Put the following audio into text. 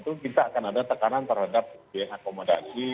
itu kita akan ada tekanan terhadap biaya akomodasi